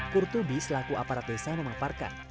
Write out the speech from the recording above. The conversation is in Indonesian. kurtubi selaku aparat desa memaparkan